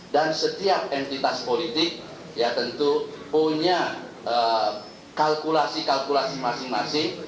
dan setiap entitas politik ya tentu punya kalkulasi kalkulasi masing masing